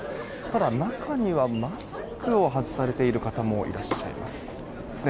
ただ、中にはマスクを外されている方もいらっしゃいます。